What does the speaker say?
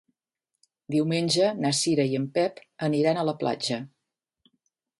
Diumenge na Cira i en Pep aniran a la platja.